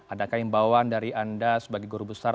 adakah imbauan dari anda sebagai guru besar